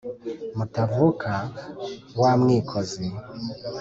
Mutavuka wa Mwikozi